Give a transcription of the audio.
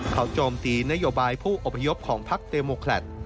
เขาโจมตีนโยบายผู้อพยพของภักดีโมคลัฒน์